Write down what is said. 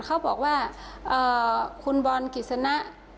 เขาบอกว่าคุณบอร์นกิจนะ